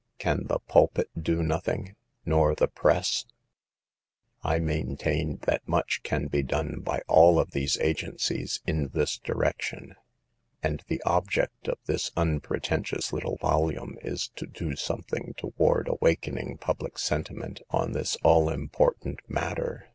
Can the pulpit do nothing? Nor the press ? I maintain that much can be done by all of these agencies in this direction, and the object 28 SAVE THE GIRLS. of this unpretentious little volume is to do something toward awakening public sentiment on this all important matter.